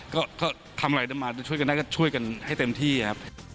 ก็ทำอะไรได้มาช่วยกันได้ก็ช่วยกันให้เต็มที่ครับ